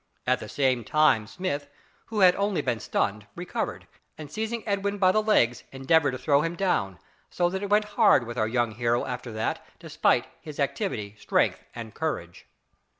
At the same time Smith, who had only been stunned, recovered, and seizing Edwin by the legs endeavoured to throw him down, so that it went hard with our young hero after that despite his activity, strength and courage.